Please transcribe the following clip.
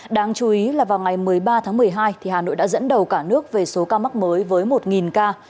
đáng chú ý là vào ngày một mươi ba tháng một mươi hai hà nội đã dẫn đầu cả nước về số ca mắc mới với một ca